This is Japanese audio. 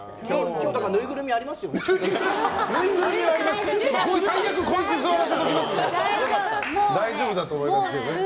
今日、ぬいぐるみあります？